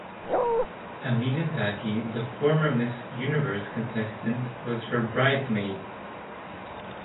Amina Dagi the former Miss Universe contestant was her bridesmaid.